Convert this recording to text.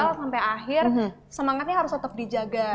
kalau sampai akhir semangatnya harus tetap dijaga